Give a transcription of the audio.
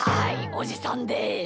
おじさんです！